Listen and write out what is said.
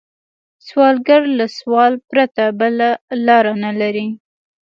سوالګر له سوال پرته بله لار نه لري